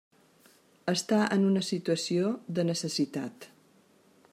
Està en una situació de necessitat.